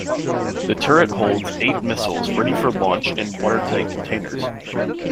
The turret holds eight missiles ready for launch in watertight containers.